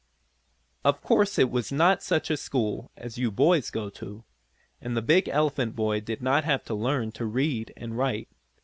Of course it was not such a school as you boys go to, and the big elephant boy did not have to learn to read and write.